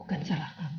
bukan salah kamu